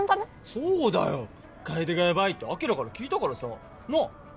そうだよ楓がヤバいって輝から聞いたからさなあ